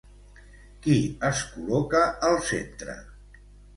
Qui es col·loca al centre?